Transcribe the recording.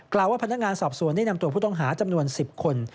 ว่าพนักงานสอบสวนได้นำตัวผู้ต้องหาจำนวน๑๐คน